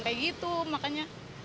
kayak gitu makanya